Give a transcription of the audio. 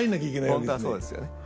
本当はそうなんですよね。